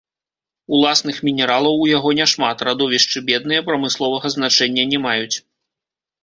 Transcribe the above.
Уласных мінералаў у яго няшмат, радовішчы бедныя, прамысловага значэння не маюць.